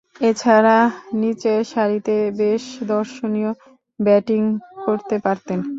এছাড়াও, নিচেরসারিতে বেশ দর্শনীয় ব্যাটিং করতে পারতেন।